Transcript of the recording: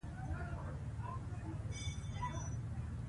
خو یوه ورځ به درته په کار سم